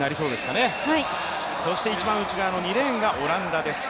一番内側の２レーンがオランダです。